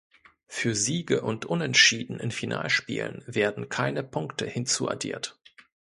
Für Siege und Unentschieden in Finalspielen werden keine Punkte hinzuaddiert.